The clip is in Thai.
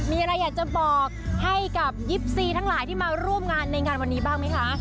มีอะไรอยากจะบอกให้กับ๒๔ทั้งหลายที่มาร่วมงานในงานวันนี้บ้างไหมคะ